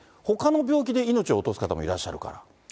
ほかの病気で命を落とす方もいらっしゃるから。